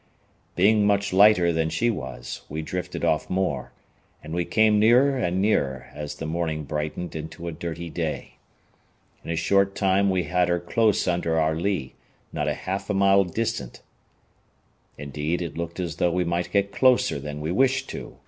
Being much lighter than she was, we drifted off more, and we came nearer and nearer as the morning brightened into a dirty day. In a short time we had her close under our lee, not half a mile distant. Indeed, it looked as though we might get closer than we wished to.